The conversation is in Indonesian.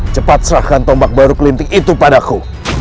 cepat serahkan tombak baru kelintik itu padaku